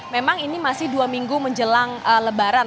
memang ini masih dua minggu menjelang lebaran